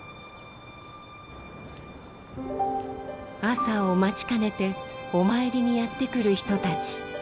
朝を待ちかねてお参りにやってくる人たち。